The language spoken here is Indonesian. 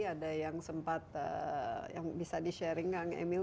ada yang sempat yang bisa di sharing kang emil